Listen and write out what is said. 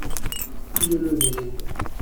Priez-le de venir.